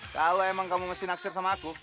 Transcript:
kalau emang kamu mesti naksir sama aku